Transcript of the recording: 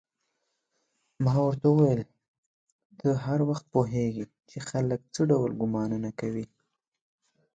ما ورته وویل: ته هر وخت پوهېږې چې خلک څه ډول ګومانونه کوي؟